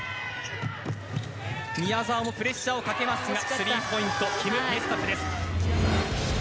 宮澤もプレッシャーをかけますが、スリーポイント、キム・メストダフです。